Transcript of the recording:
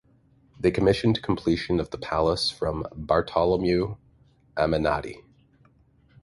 They commissioned completion of the palace from Bartolomeo Ammannati.